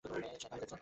সে একা হয়ে গেছে।